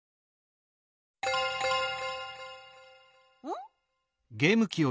ん？